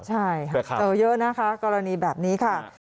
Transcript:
ใช่หรือเปล่าใช่เยอะนะครับกรณีแบบนี้ค่ะ